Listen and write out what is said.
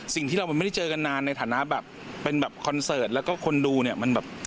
สิ่งที่เราไม่ได้เจอกันนานในฐานะแบบเป็นแบบคอนเสิร์ตแล้วก็คนดูเนี่ยมันแบบ